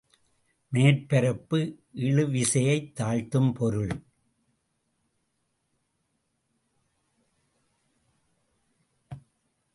மேற்பரப்பு இழுவிசையைத் தாழ்த்தும் பொருள்.